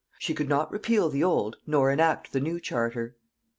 She could not repeal the old, nor enact the new charter.